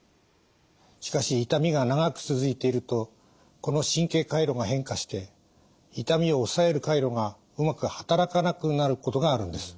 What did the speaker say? しかし痛みが長く続いているとこの神経回路が変化して痛みを抑える回路がうまく働かなくなることがあるんです。